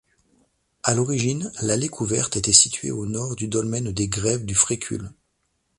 A l'origine, l'allée couverte était située au nord du Dolmen des Grèves de Frécul.